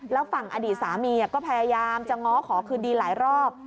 แล้วฝั่งอดีตสามีก็พยายามจะง้อขอคืนดีหลายรอบ